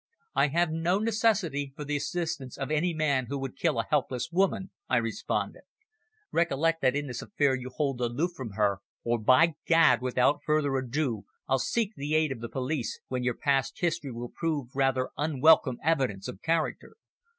"I have no necessity for the assistance of any man who would kill a helpless woman," I responded. "Recollect that in this affair you hold aloof from her, or, by Gad! without further ado, I'll seek the aid of the police, when your past history will prove rather unwelcome evidence of character."